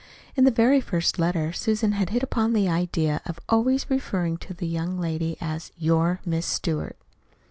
In the very first letter Susan had hit upon the idea of always referring to the young lady as "your Miss Stewart."